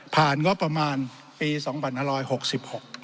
ผ่านงบประมาณปี๒๖๖๖